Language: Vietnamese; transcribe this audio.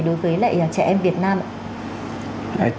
đối với lại trẻ em việt nam